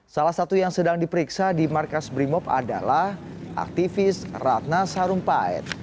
salah satu yang sedang diperiksa di markas brimob adalah aktivis ratna sarumpait